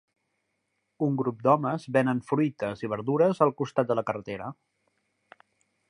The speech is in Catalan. Un grup d'homes venen fruites i verdures al costat de la carretera.